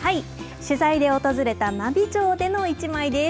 取材で訪れた真備町でのイチマイです。